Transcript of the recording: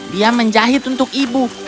dia menjahit untuk ibu